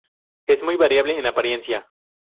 Es muy variable en apariencia.